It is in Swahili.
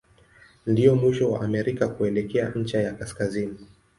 Ndio mwisho wa Amerika kuelekea ncha ya kaskazini.